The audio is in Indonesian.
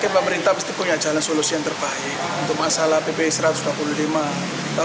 pemerintah pasti punya jalan solusi yang terbaik untuk masalah ppi satu ratus dua puluh lima tahun